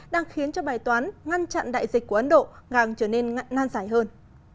đang khiến cho bài toán ngăn chặn đại dịch của ấn độ gàng trở nên năn giải hơn